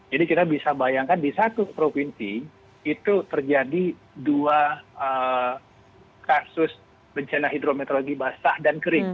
jadi kita bisa bayangkan di satu provinsi itu terjadi dua kasus bencana hidrometeorologi basah dan kering